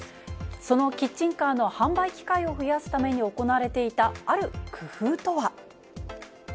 そのキッチンカーの販売機会を増やすために行われていたある工夫とは。